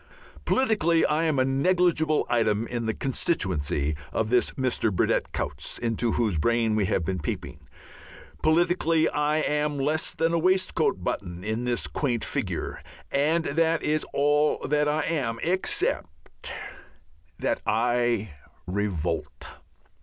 Politically I am a negligible item in the constituency of this Mr. Burdett Coutts into whose brain we have been peeping. Politically I am less than a waistcoat button on that quaint figure. And that is all I am except that I revolt.